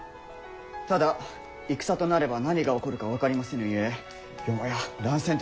ただ戦となれば何が起こるか分かりませぬゆえよもや乱戦ともなれば。